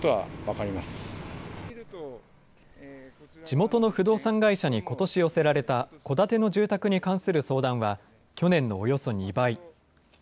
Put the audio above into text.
地元の不動産会社にことし寄せられた戸建ての住宅に関する相談は、去年のおよそ２倍。